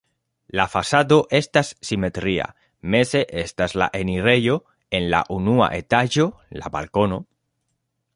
La fasado estas simetria, meze estas la enirejo, en la unua etaĝo la balkono.